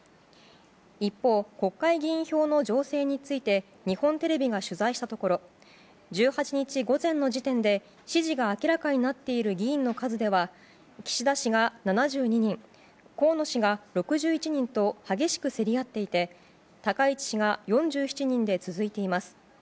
一方、国会議員票の情勢について日本テレビが取材したところ１８日午前の時点で、支持が明らかになっている議員の数では岸田氏が７２人河野氏が６１人と激しく競り合っていて高市氏が４７人で続いています。